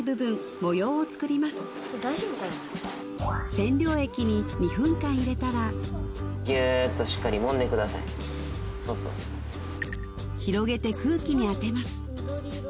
染料液に２分間入れたらそうそうそう広げて空気に当てます